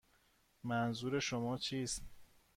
منظور شما چیست؟